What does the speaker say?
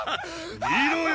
見ろよ